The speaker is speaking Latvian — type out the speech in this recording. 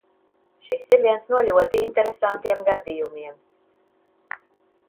Šis ir viens no ļoti interesantiem gadījumiem.